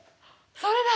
それだ！